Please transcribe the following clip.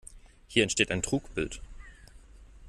Hier entsteht ein Trugbild.